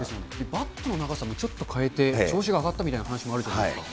バットの長さもちょっと変えて、調子が上がったみたいな話もあるじゃないですか。